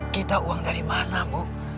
kita uang dari mana bu